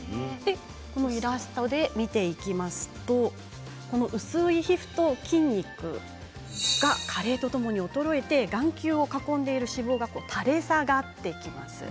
イラストで見ていきますと薄い皮膚と筋肉が加齢とともに衰えて眼球を囲んでいる脂肪が垂れ下がってきます。